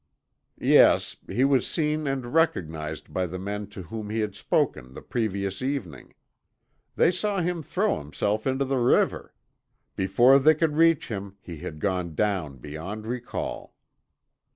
"Yes, he was seen and recognized by the men to whom he had spoken the previous evening. They saw him throw himself into the river. Before they could reach him he had gone down beyond recall."